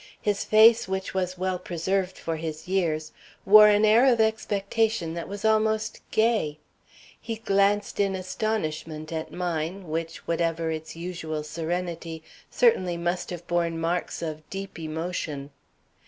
His face, which was well preserved for his years, wore an air of expectation that was almost gay. He glanced in astonishment at mine, which, whatever its usual serenity, certainly must have borne marks of deep emotion.